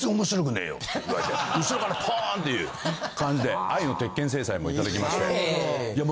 後ろからポーンっていう感じで愛の鉄拳制裁もいただきましていや